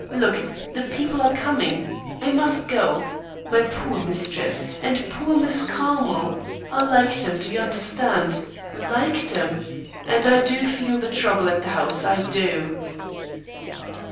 Look! the people are coming. I must go. My poor mistress! and poor Miss Carmel! I liked 'em, do ye understand? Liked 'em and I do feel the trouble at the house, I do."